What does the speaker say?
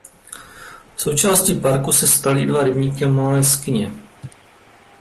Součástí parku se staly i dva rybníky a malá jeskyně.